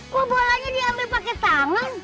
kok bolanya diambil pakai tangan